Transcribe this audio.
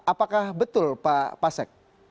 apakah betul pak pasek